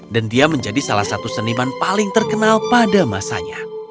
dan dia menjadi salah satu seniman paling terkenal pada masanya